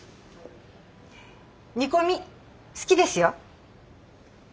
煮込み好きですよ。